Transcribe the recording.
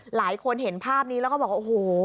หลายคนเห็นภาพนี้แล้วก็บอกโอ้โห